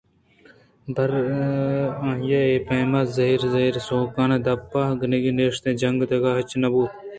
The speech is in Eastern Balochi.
بلے پرآئی ءِ اے پیم ءَ زہر ءَ زہر سوہان ءَ دپ ءَ کنگ ءُ نیش جنگ ءَ دگہ ہچ نہ بُوت